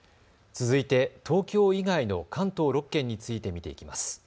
続いて東京以外の関東６県について見ていきます。